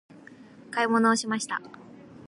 買い物をしました。